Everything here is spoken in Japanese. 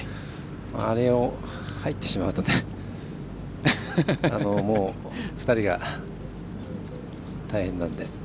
あれが入ってしまうともう、２人が大変なので。